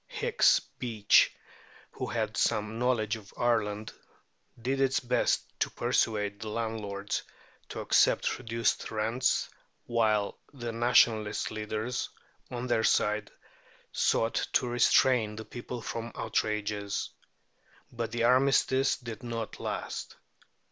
Hicks Beach, who had some knowledge of Ireland, did its best to persuade the landlords to accept reduced rents, while the Nationalist leaders, on their side, sought to restrain the people from outrages. But the armistice did not last.